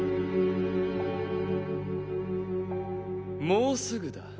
もうすぐだ。